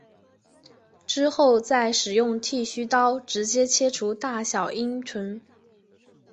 之后再使用剃刀直接切除大小阴唇。